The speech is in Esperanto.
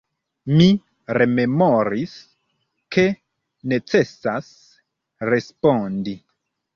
Mi rememoris, ke necesas respondi.